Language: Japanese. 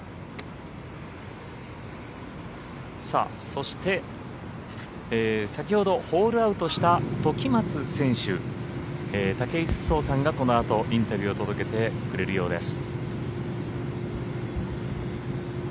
そして先ほどホールアウトした時松選手武井壮さんがこのあとインタビューを届けてくれるようです。